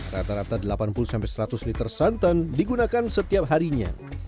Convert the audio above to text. rata rata delapan puluh seratus liter santan digunakan setiap harinya